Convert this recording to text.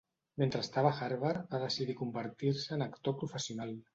Mentre estava a Harvard va decidir convertir-se en actor professional.